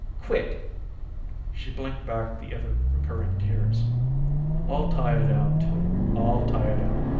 "Quit." She blinked back the ever recurring tears. "All tired out, too; all tired out.